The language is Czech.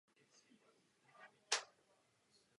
Obyvatelstvo je tedy zcela židovské.